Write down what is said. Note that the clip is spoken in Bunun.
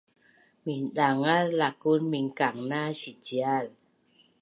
mindangaz zakun minkangna sicial